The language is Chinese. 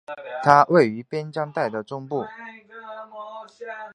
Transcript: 它位于边疆带的中部。